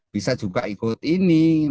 bisa juga ikut ini